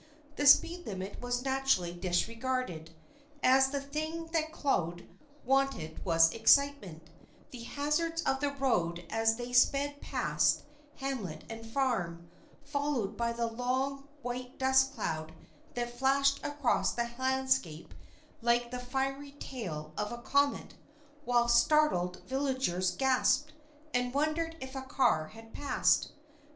The speed limit was naturally disregarded, as the thing that Claude wanted was excitement, the hazards of the road as they sped past hamlet and farm, followed by the long, white dust cloud that flashed across the landscape like the fiery tail of a comet, while startled villagers gaped, and wondered if a car had passed.